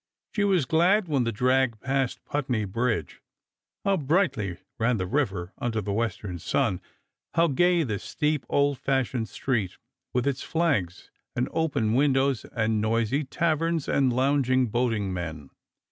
She was glad when the drag passed Putney bridge. How brightly ran the river under the western sun ! How gay the steep old fashioned street, with it's flags and open windows and noisy taverns and lounging boating men.